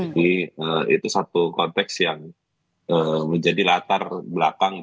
jadi itu satu konteks yang menjadi latar belakang